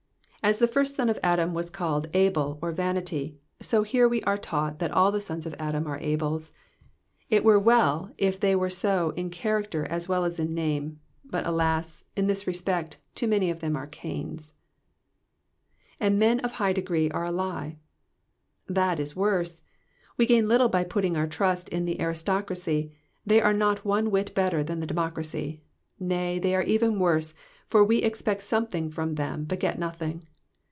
As the first son of Adam was called Abel or vanity, so here wc are taught that all the sons of Adam are Abels : it were well if they were all so in character as well as in name ; but alas ! in this respect, too many of them are Cains. ^''And men of high degree are a lie."^^ That is worse. We gain little by putting our trust in the aristocracy, they are not one whit better than • the democracy ; nay, they are even worse, for we expect something fiom them, but get nothing.